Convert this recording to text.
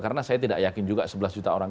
karena saya tidak yakin juga sebelas juta orang